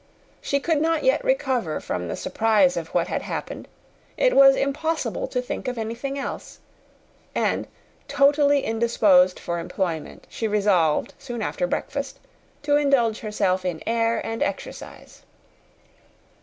She could not yet recover from the surprise of what had happened: it was impossible to think of anything else; and, totally indisposed for employment, she resolved soon after breakfast to indulge herself in air and exercise.